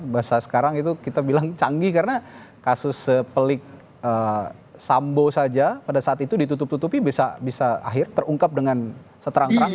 bahasa sekarang itu kita bilang canggih karena kasus sepelik sambo saja pada saat itu ditutup tutupi bisa akhir terungkap dengan seterang terang